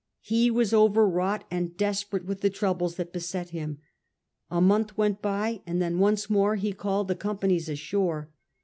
He was overwrought and desperate with the troubles that beset him. A month went by, and then once more he called the companies ashore.